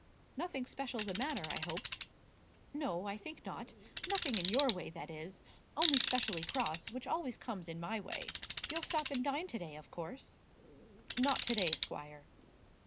"Nothing special the matter, I hope?" "No, I think not; nothing in your way, that is; only specially cross, which always comes in my way. You'll stop and dine to day, of course?" "Not to day, squire."